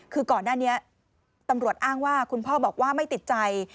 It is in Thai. คือก่อนหน้านี้ตำรวจอ้างว่าก็ไม่ติดใจ